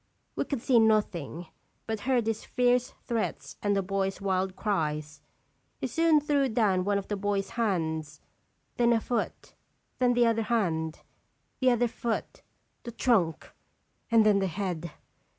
We could see nothing, but heard his fierce threats and the boy's wild cries. He soon threw down one of the boy's hands, then a foot, then the other hand, the other foot, the trunk, and then the head.